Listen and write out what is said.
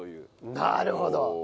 なるほど。